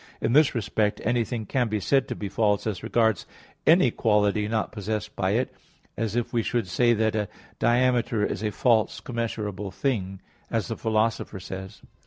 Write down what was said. In this respect anything can be said to be false as regards any quality not possessed by it; as if we should say that a diameter is a false commensurable thing, as the Philosopher says (Metaph.